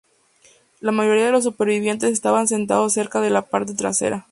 La mayoría de los supervivientes estaban sentados cerca de la parte trasera.